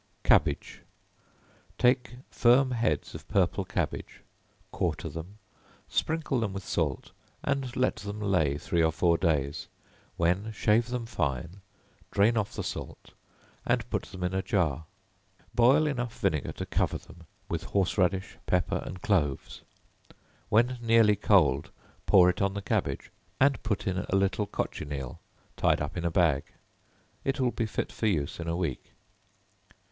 Cabbage. Take firm heads of purple cabbage, quarter them, sprinkle them with salt, and let them lay three or four days, when shave them fine, drain off the salt and put them in a jar, boil enough vinegar to cover them, with horse radish, pepper and cloves, when nearly cold pour it on the cabbage, and put in a little cochineal tied up in a bag, it will he fit for use in a week.